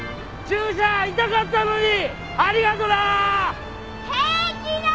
注射痛かったのにありがとな！